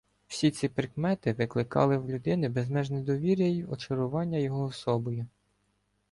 Всі ці прикмети викликали в людини безмежне довір’я й очарування його особою.